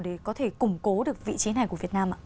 để có thể củng cố được vị trí này của việt nam ạ